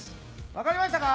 分かりましたか？